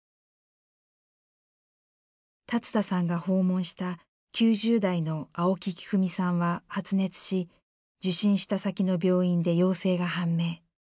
龍田さんが訪問した９０代の青木喜久美さんは発熱し受診した先の病院で陽性が判明。